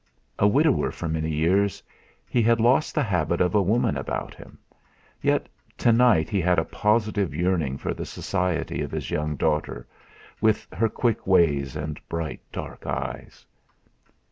A widower for many years, he had lost the habit of a woman about him; yet to night he had a positive yearning for the society of his young daughter, with her quick ways, and bright, dark eyes.